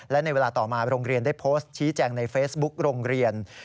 และในเวลาต่อมาโรงเรียนได้โพสต์ชี้แจงในเฟซบุ๊กโรงเรียน